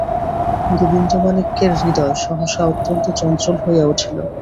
গোবিন্দমাণিক্যের হৃদয় সহসা অত্যন্ত চঞ্চল হইয়া উঠিল।